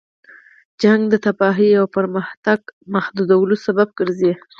جنګ د تباهۍ او د پرمختګ محدودولو سبب ګرځي.